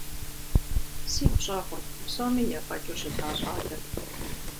Сигу щӀэгъурт псоми ефӀэкӀыу щыта щӏалэм.